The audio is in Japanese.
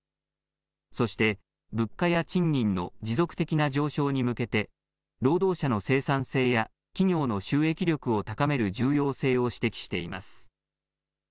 そして物価や賃金の持続的な上昇に向けて労働者の生産性や企業の収益力を高める重要性を指摘しています。